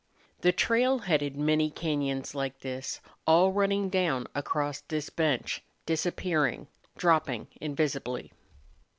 The trail headed many cañons like this, all running down across this bench, disappearing, dropping invisibly.